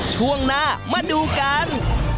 ช่วงหน้ามาดูกัน